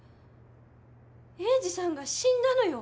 栄治さんが死んだのよ。